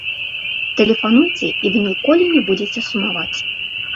Тэлефануйце, і вы ніколі не будзеце сумаваць!